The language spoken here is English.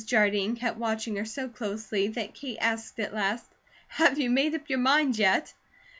Jardine kept watching her so closely that Kate asked at last: "Have you made up your mind, yet?"